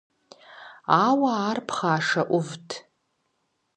Ауэ ар пхъашэ Ӏувт.